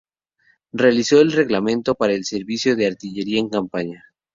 Realizó el reglamento para el servicio de artillería en campaña.